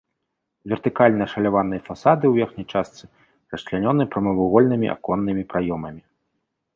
Вертыкальна ашаляваныя фасады ў верхняй частцы расчлянёны прамавугольнымі аконнымі праёмамі.